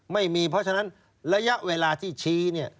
ไม่มีเพราะฉะนั้นระยะเวลาที่ชี้เนี่ย